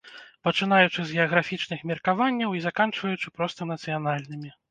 Пачынаючы з геаграфічных меркаванняў і заканчваючы проста нацыянальнымі.